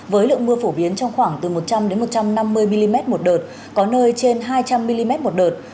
với lượng mưa phổ biến trong khoảng từ một trăm linh một trăm năm mươi mm một đợt có nơi trên hai trăm linh mm một đợt